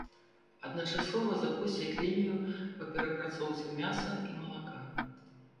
Адначасова запусцяць лінію па перапрацоўцы мяса і малака.